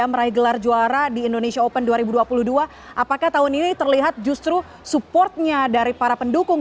meraih gelar juara di indonesia open dua ribu dua puluh dua apakah tahun ini terlihat justru supportnya dari para pendukung